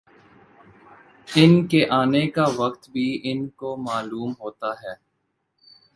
ان کے آنے کا وقت بھی ان کو معلوم ہوتا ہے